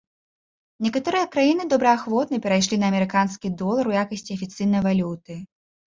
Некаторыя краіны добраахвотна перайшлі на амерыканскі долар у якасці афіцыйнай валюты.